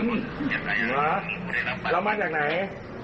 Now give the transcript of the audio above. หมาแล้วมาจากไหน